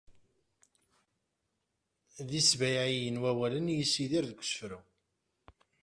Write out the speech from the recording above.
d isbayɛiyen wawalen i yessidir deg usefru